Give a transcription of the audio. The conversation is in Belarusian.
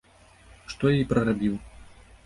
Што я і прарабіў.